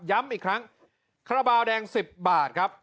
ย้ำอีกครั้งคาราบาลแดง๑๐บาทครับ